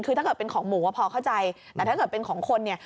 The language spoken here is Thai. คือถ้าเกิดเป็นของหมูอ่ะพอเข้าใจแต่ถ้าเกิดเป็นของคนเนี่ย